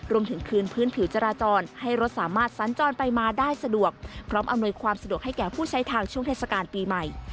รวมถึงคืนพื้นผิวจราจรให้รถสามารถสัญจรไปมาได้สะดวกพร้อมอำนวยความสะดวกให้แก่ผู้ใช้ทางช่วงเทศกาลปีใหม่